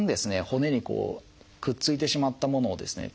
骨にこうくっついてしまったものをですね